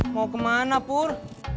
mau kemana pur